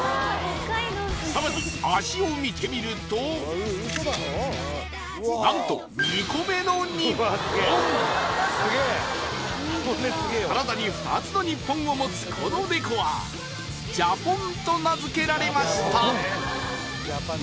さらに脚を見てみると何と２個目の日本体に２つの日本を持つこのネコはＪＡＰＯＮと名付けられました！